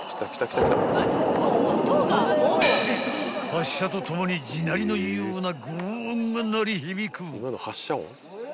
［発射とともに地鳴りのような轟音が鳴り響く］